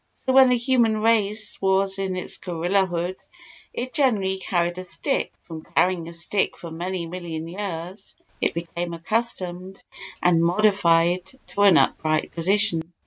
So when the human race was in its gorilla hood it generally carried a stick; from carrying a stick for many million years it became accustomed and modified to an upright position.